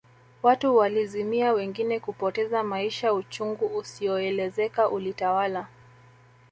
Watu walizimia wengine kupoteza maisha uchungu usioelezeka ulitawala